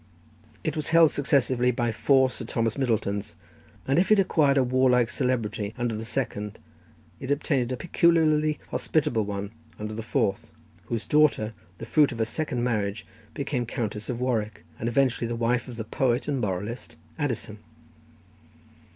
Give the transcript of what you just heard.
It was held successively by four Sir Thomas Middletons, and if it acquired a warlike celebrity under the second, it obtained a peculiarly hospitable one under the fourth, whose daughter, the fruit of a second marriage, became Countess of Warwick, and eventually the wife of the poet and moralist, Addison.